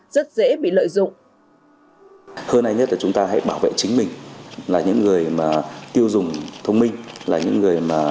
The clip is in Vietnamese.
rất dễ bị lợi dụng